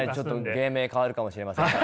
芸名変わるかもしれませんが。